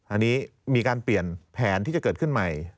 อันนี้มีการเปลี่ยนแผนที่จะเกิดขึ้นใหม่